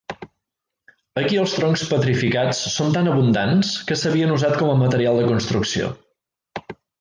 Aquí els troncs petrificats són tan abundants que s'havien usat com material de construcció.